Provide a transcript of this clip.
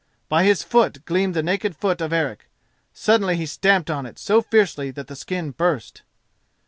By his foot gleamed the naked foot of Eric. Suddenly he stamped on it so fiercely that the skin burst.